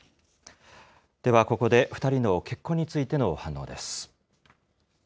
では、ここで２人の結婚についての反応です。